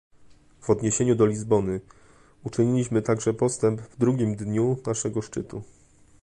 W odniesieniu do Lizbony, uczyniliśmy także postęp w drugim dniu naszego szczytu